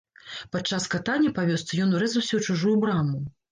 Падчас катання па вёсцы ён урэзаўся ў чужую браму.